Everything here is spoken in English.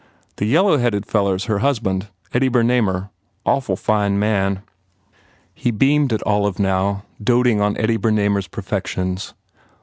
The yellow headed fellow s her husband Eddie Bernamer. Awful fine man." He beamed at Olive now, doting on Eddie Ber namer s perfections.